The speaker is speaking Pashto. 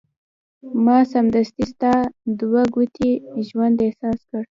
ما سمدستي ستا دوه ګونی ژوند احساس کړ.